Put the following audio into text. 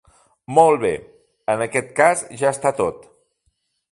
Molt bé, en aquest cas ja està tot.